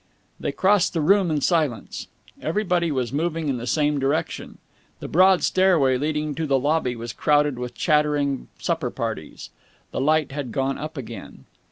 They crossed the room in silence. Everybody was moving in the same direction. The broad stairway leading to the lobby was crowded with chattering supper parties. The light had gone up again.